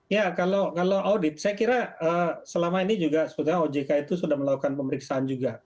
ya kalau audit saya kira selama ini juga sebetulnya ojk itu sudah melakukan pemeriksaan juga